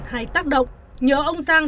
hay tác động nhớ ông giang